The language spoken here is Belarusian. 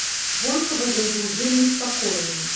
Вонкава ён быў вельмі спакойны.